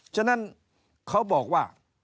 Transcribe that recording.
ฉะนั้นเขาบอกว่า